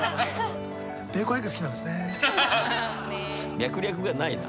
脈絡がないな。